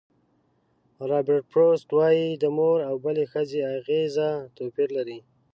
رابرټ فروسټ وایي د مور او بلې ښځې اغېزه توپیر لري.